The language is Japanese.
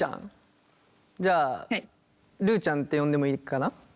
じゃあるちゃんって呼んでもいいかな？